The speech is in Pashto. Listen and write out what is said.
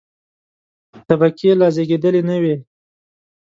طبقې لا زېږېدلې نه وې.